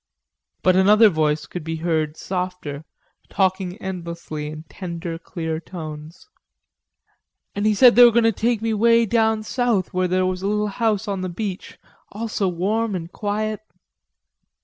But another voice could be heard, softer, talking endlessly in tender clear tones: "An' he said they were goin' to take me way down south where there was a little house on the beach, all so warm an' quiet..."